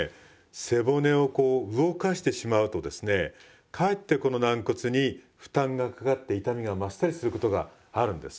背骨をこう動かしてしまうとですねかえってこの軟骨に負担がかかって痛みが増したりすることがあるんです。